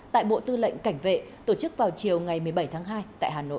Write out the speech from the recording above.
tại bộ tư lệnh cảnh vệ tổ chức vào chiều ngày một mươi bảy tháng hai tại hà nội